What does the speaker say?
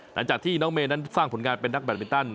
หลังจากที่น้องเมย์นั้นสร้างผลงานเป็นนักแบตมินตัน